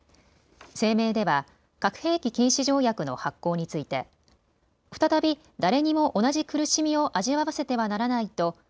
声明では核兵器禁止条約の発効について再び誰にも同じ苦しみを味わわせてはならないと